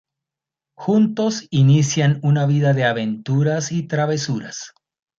Juntos inician una vida de aventuras y travesuras.